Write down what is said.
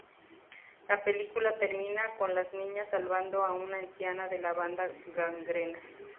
La película termina con las niñas salvando a una anciana de la Banda Gangrena.